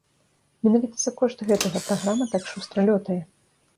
Менавіта за кошт гэтага праграма так шустра лётае.